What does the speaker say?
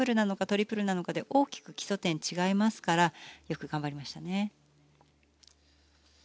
トリプルなのかで大きく基礎点が違いますからよく頑張りましたね。